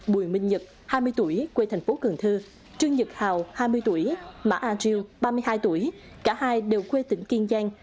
bùi minh nhật hai mươi tuổi quê thành phố cần thơ trương nhật hào hai mươi tuổi mã a triều ba mươi hai tuổi cả hai đều quê tỉnh kiên giang